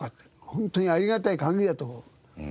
本当にありがたい限りだと。